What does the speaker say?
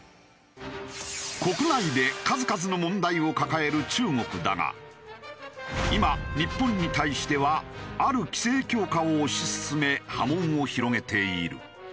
国内で数々の問題を抱える中国だが今日本に対してはある規制強化を推し進め波紋を広げている。